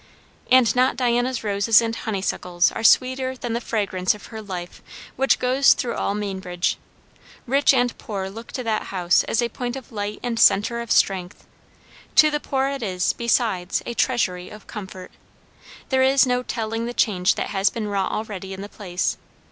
And not Diana's roses and honeysuckles are sweeter than the fragrance of her life which goes through all Mainbridge. Rich and poor look to that house as a point of light and centre of strength; to the poor it is, besides, a treasury of comfort. There is no telling the change that has been wrought already in the place.